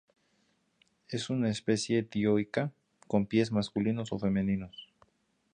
Es una especie dioica, con pies masculinos o femeninos.